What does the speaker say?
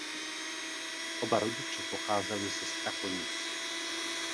Oba rodiče pocházeli ze Strakonic.